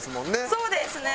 そうですね。